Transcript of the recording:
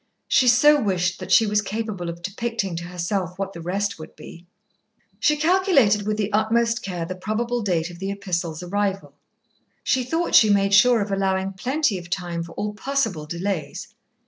She so wished that she was capable of depicting to herself what the rest would be. She calculated with the utmost care the probable date of the epistle's arrival. She thought she made sure of allowing plenty of time for all possible delays.